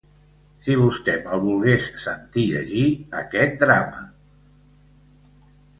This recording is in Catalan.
«Si vostè me'l volgués sentir llegir aquest drama…»